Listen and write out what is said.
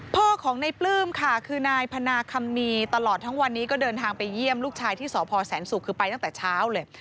พ่อของในปลื้มค่ะคือนายพนาคัมมีตลอดทั้งวันนี้ก็เดินทางไปเยี่ยมลูกชายที่สพแสนศุกร์คือไปตั้งแต่เช้าเลย